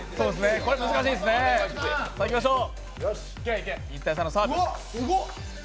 これ、難しいですね、いきましょう。